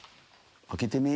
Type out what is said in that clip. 開けてみ。